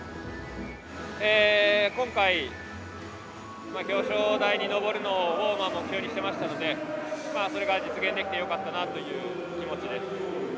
今回表彰台にのぼるのを目標にしてましたのでそれが実現できてよかったなという気持ちです。